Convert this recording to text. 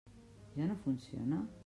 Ja no funciona?